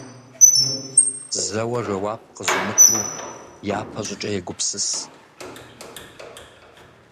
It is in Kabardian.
Зэуэ жэуап къызумыту, япэ щӏыкӏэ, егупсыс.